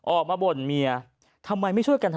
ออกมาบ่นเมียทำไมไม่ช่วยกัน